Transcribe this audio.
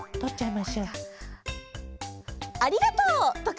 「ありがとう！」とか。